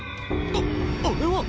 あっあれは！